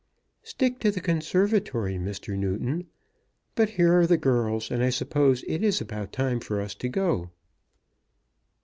"Stick to the conservatory, Mr. Newton. But here are the girls, and I suppose it is about time for us to go."